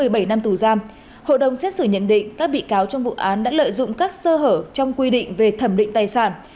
trong một mươi năm năm tù giam hội đồng xét xử nhận định các bị cáo trong vụ án đã lợi dụng các sơ hở trong quy định về thẩm định tài sản